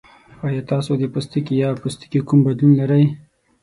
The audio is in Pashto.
ایا تاسو د پوستکي یا پوستکي کوم بدلون لرئ؟